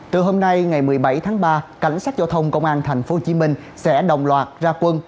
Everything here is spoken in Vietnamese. từ hôm nay ngày một mươi bảy tháng ba cảnh sát giao thông công an tp hcm sẽ đồng loạt ra quân